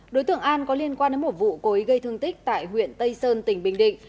đối tượng an có liên quan đến một vụ cối gây thương tích tại huyện tây sơn tỉnh bình định